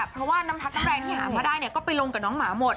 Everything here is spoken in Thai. เพราะว่าน้ำพักน้ำแรงที่หามาได้เนี่ยก็ไปลงกับน้องหมาหมด